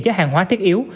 chế hàng hóa thiết yếu